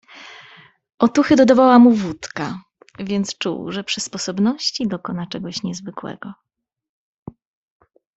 "Otuchy dodawała mu wódka, więc czuł, że przy sposobności dokona czegoś niezwykłego."